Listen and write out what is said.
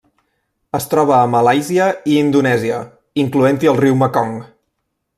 Es troba a Malàisia i Indonèsia, incloent-hi el riu Mekong.